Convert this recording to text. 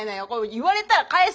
言われたら返す。